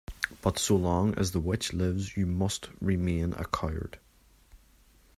But so long as the Witch lives you must remain a coward.